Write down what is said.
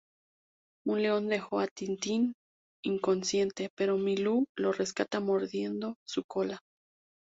Un león deja a Tintín inconsciente, pero Milú lo rescata mordiendo su cola.